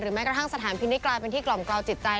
แม้กระทั่งสถานพินิษฐกลายเป็นที่กล่อมกราวจิตใจ